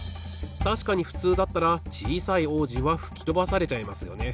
たしかにふつうだったらちいさい王子はふきとばされちゃいますよね。